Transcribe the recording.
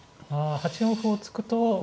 あ８四歩を突くと。